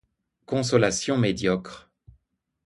Consolation médiocre.